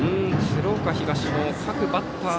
鶴岡東の各バッター